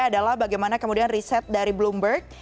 adalah bagaimana kemudian riset dari bloomberg